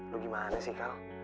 lu gimana sih kal